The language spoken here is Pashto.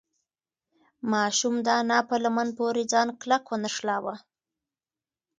ماشوم د انا په لمن پورې ځان کلک ونښلاوه.